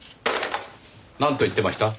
なんと言ってました？